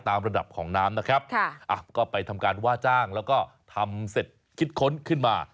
ระดับของน้ำนะครับก็ไปทำการว่าจ้างแล้วก็ทำเสร็จคิดค้นขึ้นมา